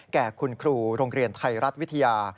แก่คุณครูโรงเรียนไทยรัฐวิทยา